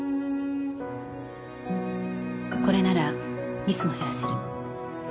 これならミスも減らせる。